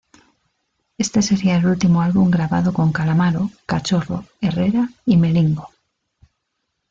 Este sería el último álbum grabado con Calamaro, Cachorro, Herrera y Melingo.